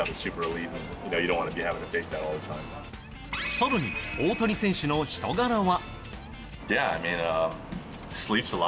更に大谷選手の人柄は？